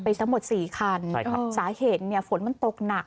ไปสักหมดสี่คนสาเหตุฝนมันตกหนัก